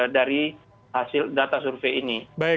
dari hasil data survei ini